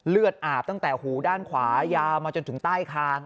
เลือดอาบตั้งแต่หูด้านขวายาวมาจนถึงใต้คาง